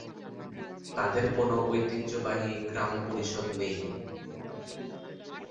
তাদের কোনও ঐতিহ্যবাহী গ্রাম পরিষদ নেই।